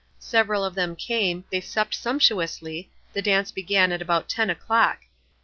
Several of them came, they supped sumptuously, the dance began at about ten o'clock.